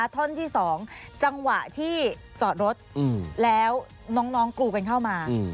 ท่อนที่๒จังหวะที่จอดรถแล้วน้องกรูกันเข้ามา